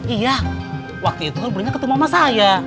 iya waktu itu beritanya ketemu sama saya